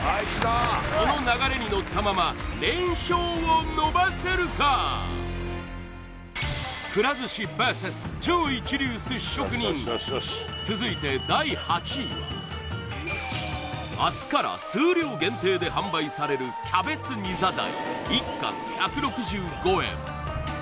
この流れに乗ったままくら寿司ＶＳ超一流寿司職人続いて第８位は明日から数量限定で販売されるキャベツニザダイ１貫１６５円